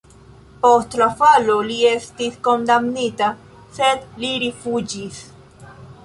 Post la falo li estis kondamnita, sed li rifuĝis.